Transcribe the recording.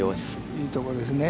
いいところですね。